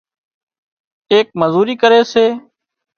ايڪ مزوري ڪري سي